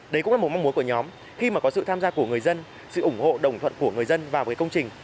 đấy cũng là một mong muốn của nhóm khi mà có sự tham gia của người dân sự ủng hộ đồng thuận của người dân vào với công trình